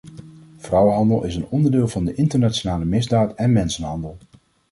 Vrouwenhandel is een onderdeel van de internationale misdaad en mensenhandel.